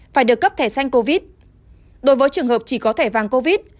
phải được cấp thẻ sanh covid đối với trường hợp chỉ có thẻ vang covid